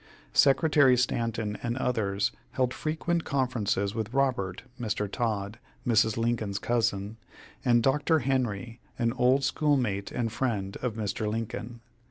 Secretary Stanton and others held frequent conferences with Robert, Mr. Todd, Mrs. Lincoln's cousin, and Dr. Henry, an old schoolmate and friend of Mr. Lincoln.